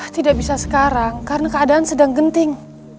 tidak bisa sekarang karena keadaan sedang genting